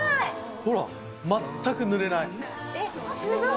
ほら、全くぬれない。